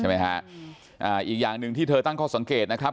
ฮะอ่าอีกอย่างหนึ่งที่เธอตั้งข้อสังเกตนะครับ